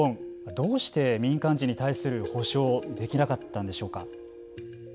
どうして民間人に対する補償ができなかったんでしょうか。